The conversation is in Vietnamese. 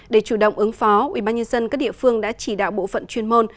để chủ động ứng phó ubnd các địa phương đã chỉ đạo bộ phận chuyên môn